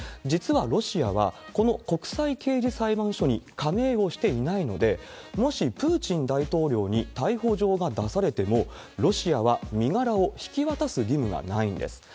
実はロシアは、この国際刑事裁判所に加盟をしていないので、もしプーチン大統領に逮捕状が出されても、ロシアは身柄を引き渡す義務がないんです。